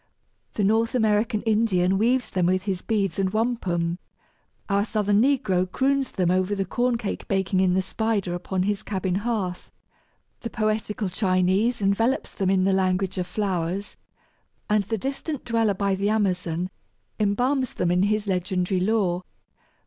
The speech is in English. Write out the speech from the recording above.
The North American Indian weaves them with his beads and wampum; our southern negro croons them over the corn cake baking in the spider upon his cabin hearth; the poetical Chinese envelops them in the language of flowers; and the distant dweller by the Amazon embalms them in his legendary lore.